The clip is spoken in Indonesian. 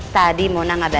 tadi mona gak baik